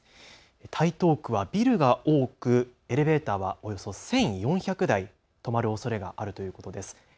台東区はビルが多くエレベーターはおよそ１４００台、止まるおそれがあるということです。